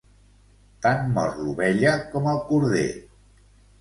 Tant mor l'ovella com el corder.